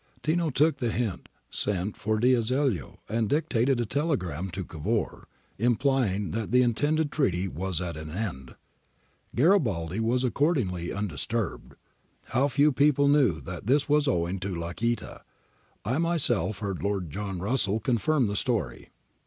Tino took the hint, sent for D'Azeglio and dictated a telegram to Cavour, implying that the intended treaty was at an end. Garibaldi was accordingly undisturbed. How few people knew that this was owing to Lacaita, I myself heard Lord Russell confirm this story.'